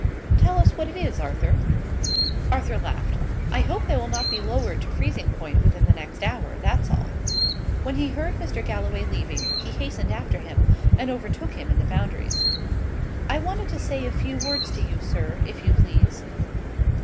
Tell us what it is, Arthur?" Arthur laughed. "I hope they will not be lowered to freezing point within the next hour; that's all." When he heard Mr. Galloway leaving, he hastened after him, and overtook him in the Boundaries. "I wanted to say a few words to you, sir, if you please?"